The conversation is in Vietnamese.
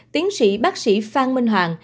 tiến sĩ bác sĩ phan minh hoàng